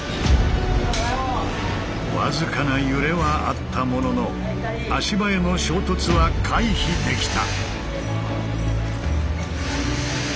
僅かな揺れはあったものの足場への衝突は回避できた。